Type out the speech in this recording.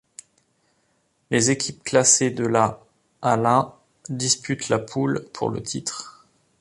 Les équipes classées de la à la disputent la poule pour le titre.